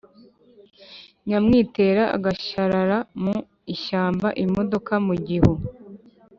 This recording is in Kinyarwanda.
Nyamwitera agashyarara mu ishyamba.-Imodoka mu gihu.